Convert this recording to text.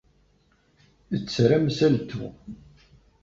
Tter amsaltu.